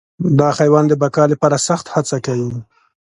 دا حیوان د بقا لپاره سخت هڅه کوي.